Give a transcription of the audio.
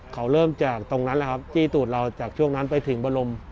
เขาเริ่มจากตรงนั้นแหละครับจี้ตูดเราจากช่วงนั้นไปถึงบรม